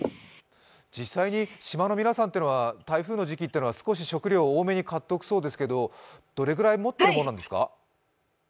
実際に島の皆さんは台風の時期は少し食料を多めに買っておくそうですけれどもどれぐらい持っているものなんですか？